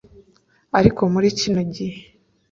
Ariko muri kino gihe